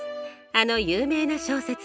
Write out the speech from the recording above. あの有名な小説